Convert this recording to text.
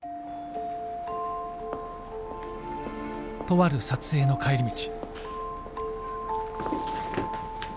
とある撮影の帰り道